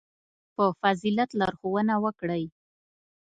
• په فضیلت لارښوونه وکړئ.